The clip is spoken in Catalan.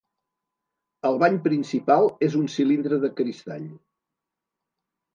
El bany principal és un cilindre de cristall.